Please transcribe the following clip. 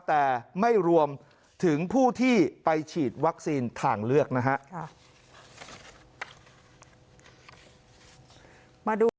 แต่ไม่รวมถึงผู้ที่ไปฉีดวัคซีนทางเลือกนะฮะ